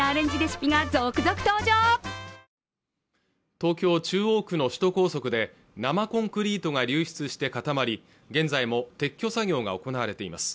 東京中央区の首都高速で生コンクリートが流出して固まり現在も撤去作業が行われています